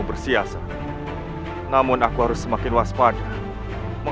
bertawar bankan diri